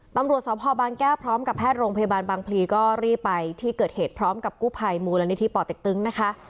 ตำรวจสพบางแก้วพร้อมกับแพทย์โรงพยาบาลบางพลีก็รีบไปที่เกิดเหตุพร้อมกับกู้ภัยมูลนิธิป่อเต็กตึงนะคะ